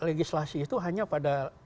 legislasi itu hanya pada